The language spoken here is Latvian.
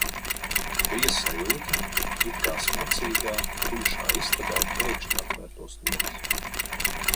Bija sajūta, it kā smacīgā, tumšā istabā pēkšņi atvērtos logs.